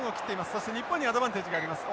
そして日本にアドバンテージがあります。